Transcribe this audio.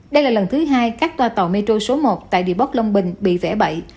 đây là lần thứ hai các toa tàu metro số một tại d bus long bình bị vẽ bậy